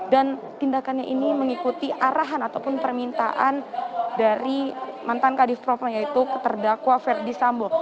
dan itu juga mengikuti arahan ataupun permintaan dari mantan kadif propang yaitu terdakwa verdi sambo